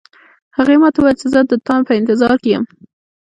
هغې ما ته وویل چې زه د تا په انتظار کې یم